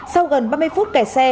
sau gần ba mươi phút kẻ xe